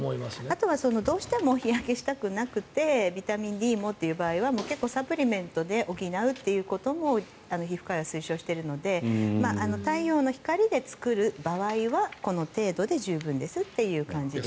あとはどうしても日焼けしたくなくてビタミンＤもという場合はサプリメントで補うことも皮膚科医は推奨しているので太陽の光で作る場合はこの程度で十分ですという感じです。